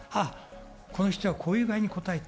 この人はこういうふうに答えた。